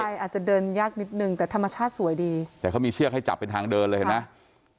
ใช่อาจจะเดินยากนิดนึงแต่ธรรมชาติสวยดีแต่เขามีเชือกให้จับเป็นทางเดินเลยเห็นไหม